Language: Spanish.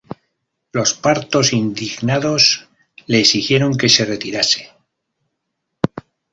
Los partos, indignados, le exigieron que se retirase.